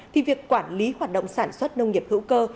thì việc quản lý hoạt động sản xuất nông nghiệp hữu cơ